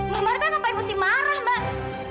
mbak marta ngapain mesti marah mbak